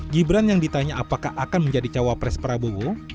gibran yang ditanya apakah akan menjadi cawapres prabowo